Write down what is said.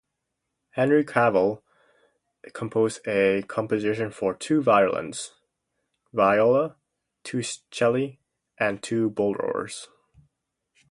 Henry Cowell composed a composition for two violins, viola, two celli, and two bullroarers.